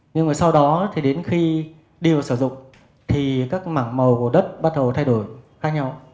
nhưng mà sau đó thì đến khi đi vào sử dụng thì các mảng màu của đất bắt đầu thay đổi khác nhau